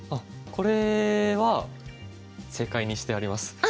これは正解にしてあります。